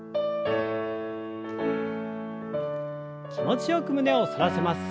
気持ちよく胸を反らせます。